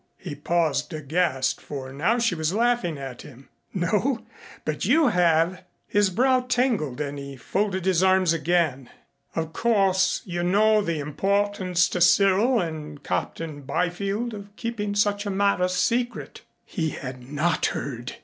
he paused aghast, for now she was laughing at him. "No but you have." His brow tangled and he folded his arms again. "Of course, you know the importance to Cyril and Captain Byfield of keeping such a matter secret." He had not heard!